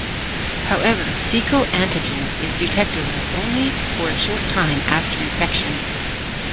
However, fecal antigen is detectable only for a short time after infection.